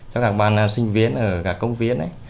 cho các bạn sinh viên ở cả công viên ấy